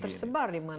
oh tersebar dimana mana